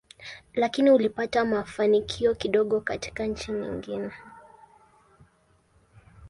Lakini ulipata mafanikio kidogo katika nchi nyingine.